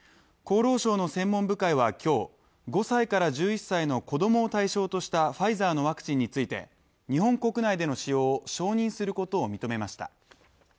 厚労省の専門部会は今日、５歳から１１歳の子供を対象としたファイザーのワクチンについて日本国内での使用を承認することを認めました。